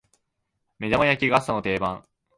目玉焼きが朝の定番